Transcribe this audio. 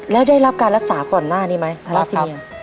แล้วได้รับการรักษาก่อนหน้านี้ไหมทาราซิเมีย